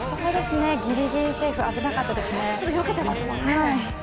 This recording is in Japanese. ギリギリセーフ、危なかったですね。